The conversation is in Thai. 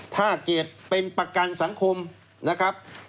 ถ้าเกิดเป็นประกันสังคมนะครับ